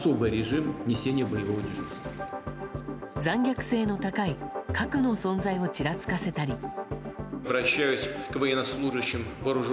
残虐性の高い核の存在をちらつかせたり。